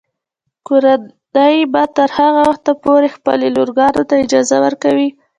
کورنۍ به تر هغه وخته پورې خپلو لورګانو ته اجازه ورکوي.